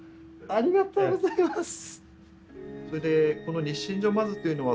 ありがとうございます。